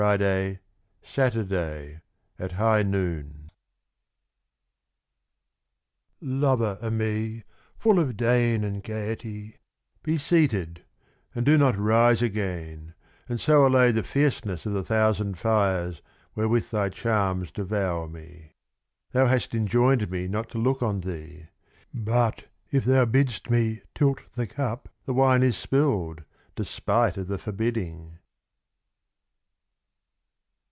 (220) THE RUBAIYAT OF KHAIYAM Lover o' me, full of dain and gaiety, be seated, and do not rise again, and so allay the Fierceness of the thousand Fires where with thy Charms devour me. Thou hast enjoined me not to look on thee : but, if thou bidst me tilt the Cup, the Wine is spilled, despite of the Forbidding.